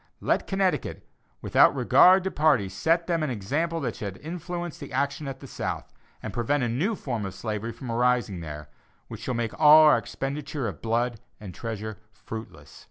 Let Connecticut, without regard to party, set them an example that shall influence the action at the South, and prevent a new form of slavery from arising there, which shall make all our expenditure of blood and treasure fruitless.